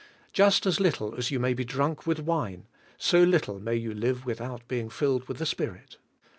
Just as little as you may be drunk with wine, so little may you live without being filled with the Spirit.